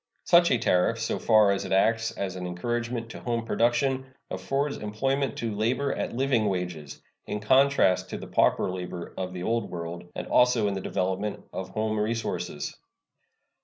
Such a tariff, so far as it acts as an encouragement to home production, affords employment to labor at living wages, in contrast to the pauper labor of the Old World, and also in the development of home resources.